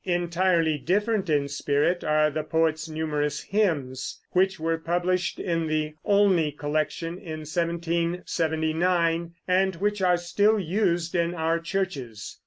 Entirely different in spirit are the poet's numerous hymns, which were published in the Olney Collection in 1779 and which are still used in our churches.